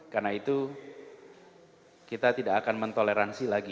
karena itu kita tidak akan mentoleransi lagi